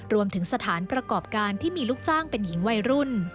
รวมถึงสถานประกอบการที่มีลูกจ้างเป็นหญิงวัยรุ่น